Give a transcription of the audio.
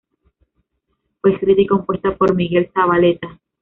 Fue escrita y compuesta por Miguel Zavaleta.